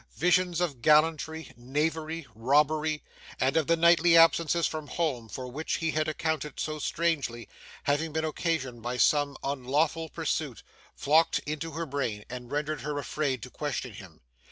Visions of gallantry, knavery, robbery; and of the nightly absences from home for which he had accounted so strangely, having been occasioned by some unlawful pursuit; flocked into her brain and rendered her afraid to question him.